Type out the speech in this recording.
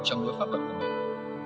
trong nối pháp vật của mình